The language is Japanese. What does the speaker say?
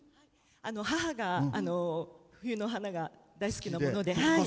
母が「冬の華」が大好きなもので。